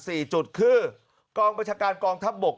ที่คือกรองบัชการกรองทัพบก